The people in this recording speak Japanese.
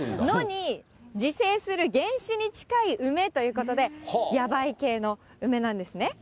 野に自生する原種に近い梅ということで、野梅系の梅なんですね。